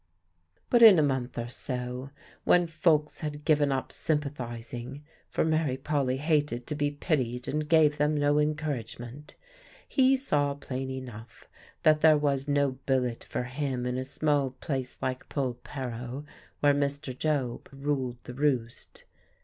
But in a month or so, when folks had given up sympathising for Mary Polly hated to be pitied, and gave them no encouragement he saw plain enough that there was no billet for him in a small place like Polperro where Mr. Job ruled the roost.